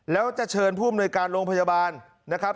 แล้วจะเชิญผู้อำนวยการโรงพยาบาลนะครับ